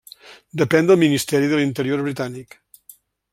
Depèn del Ministeri de l'Interior britànic.